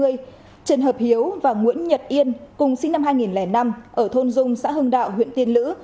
trần hợp hiếu và nguyễn nhật yên cùng sinh năm hai nghìn năm ở thôn dung xã hưng đạo huyện tiên lữ